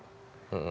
sudah lama lewat